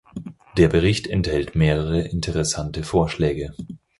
Der Bericht enthält mehrere interessante Vorschläge.